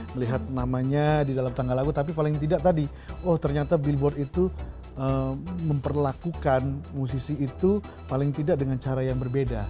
melihat namanya di dalam tangga lagu tapi paling tidak tadi oh ternyata billboard itu memperlakukan musisi itu paling tidak dengan cara yang berbeda